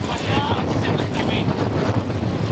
ولي مدام هڅاند د ذهین سړي په پرتله ژر بریالی کېږي؟